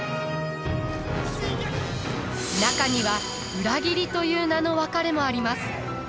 中には裏切りという名の別れもあります。